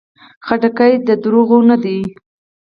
خټکی د دروغو نه ده.